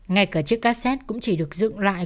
ngay cả chiếc cassette cũng chỉ được dựng lại